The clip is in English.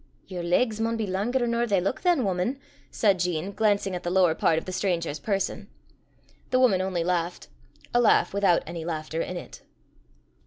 "Yer legs maun be langer nor they luik than, wuman," said Jean, glancing at the lower part of the stranger's person. The woman only laughed a laugh without any laughter in it.